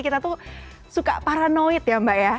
kita tuh suka paranoid ya mbak ya